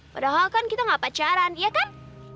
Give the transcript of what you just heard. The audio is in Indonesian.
padahal kan kita gak pacaran iya kan